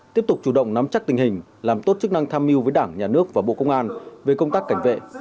tiếp tục chủ động nắm chắc tình hình làm tốt chức năng tham mưu với đảng nhà nước và bộ công an về công tác cảnh vệ